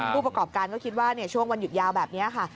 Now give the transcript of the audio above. ผู้ประกอบการก็คิดว่าช่วงวันหยุดยาวแบบนี้ค่ะ